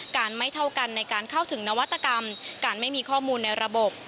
ไม่เท่ากันในการเข้าถึงนวัตกรรมการไม่มีข้อมูลในระบบ